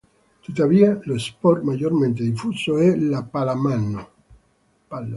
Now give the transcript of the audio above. Tuttavia lo sport maggiormente diffuso è la pallamano.